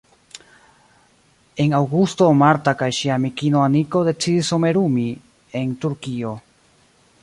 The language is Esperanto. En aŭgusto Marta kaj ŝia amikino Aniko decidis somerumi en Turkio.